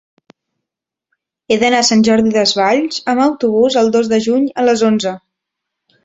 He d'anar a Sant Jordi Desvalls amb autobús el dos de juny a les onze.